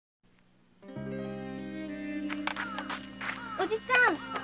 おじさん